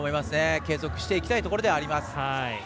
継続していきたいところです。